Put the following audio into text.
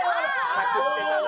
しゃくってたな。